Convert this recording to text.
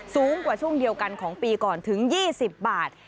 สูงกว่าช่วงเดียวกันของปีก่อนถึง๒๐บาท